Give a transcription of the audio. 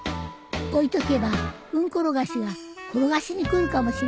置いとけばフンコロガシが転がしに来るかもしれないだろう？